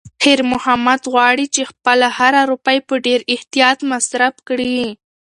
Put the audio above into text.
خیر محمد غواړي چې خپله هره روپۍ په ډېر احتیاط مصرف کړي.